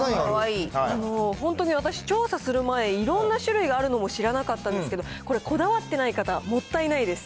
本当に私、調査する前、いろんな種類があるのも知らなかったですけど、これ、こだわってない方、もったいないです。